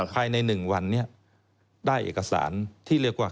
ภายใน๑วันนี้ได้เอกสารที่เรียกว่า